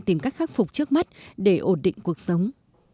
tìm cách khắc phục trước mắt để ổn định cuộc sống